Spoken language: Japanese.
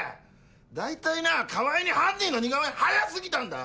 大体な川合に犯人の似顔絵は早過ぎたんだよ！